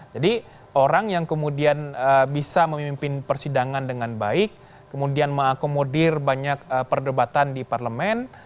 jadi orang yang kemudian bisa memimpin persidangan dengan baik kemudian mengakomodir banyak perdebatan di parlemen